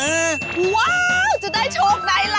ว้าวจะได้โชคได้ล่ะ